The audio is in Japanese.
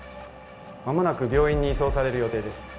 間もなく病院に移送される予定です